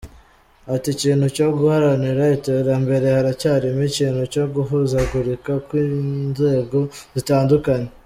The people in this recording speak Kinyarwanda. Ati “Ikintu cyo guharanira iterambere haracyarimo ikintu cyo guhuzagurika kw’inzego zitandukanye.